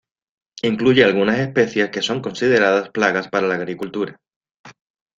Incluye algunas especies que son consideradas plagas para la agricultura.